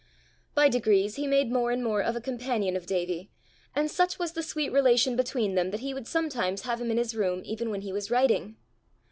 By degrees he made more and more of a companion of Davie, and such was the sweet relation between them that he would sometimes have him in his room even when he was writing.